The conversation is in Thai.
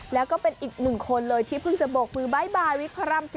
แล้วก็เป็นอีกหนึ่งคนเลยที่เพิ่งจะโบกมือบ๊ายบายวิกพระราม๔